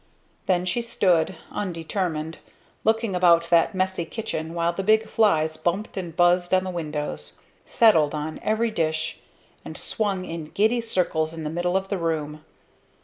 Then she stood, undetermined, looking about that messy kitchen while the big flies bumped and buzzed on the windows, settled on every dish, and swung in giddy circles in the middle of the room.